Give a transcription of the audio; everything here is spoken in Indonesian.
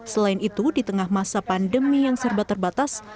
selain itu di tengah masa pandemi yang serba terbatas